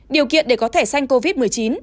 điều kiện để có thẻ sanh covid một mươi chín